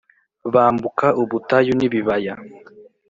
'bambuka ubutayu n'ibibaya